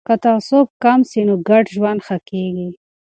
که تعصب کم سي نو ګډ ژوند ښه کیږي.